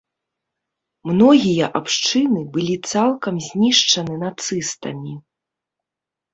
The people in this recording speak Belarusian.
Многія абшчыны былі цалкам знішчаны нацыстамі.